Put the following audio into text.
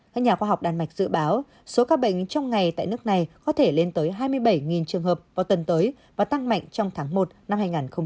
các nhà khoa học đan mạch dự báo số ca bệnh trong ngày tại nước này có thể lên tới hai mươi bảy trường hợp vào tuần tới và tăng mạnh trong tháng một năm hai nghìn hai mươi